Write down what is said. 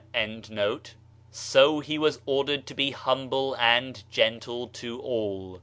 ' So he was ordered to be humble and gentle to all.